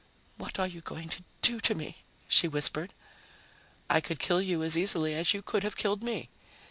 "What are you going to do to me?" she whispered. "I could kill you as easily as you could have killed me.